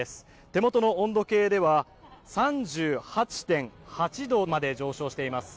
手元の温度計では３８．８度まで上昇しています。